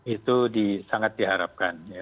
itu sangat diharapkan